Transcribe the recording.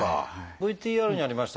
ＶＴＲにありました